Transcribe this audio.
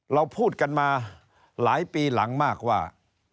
เราพูดกันมาหลายปีหลังมากว่า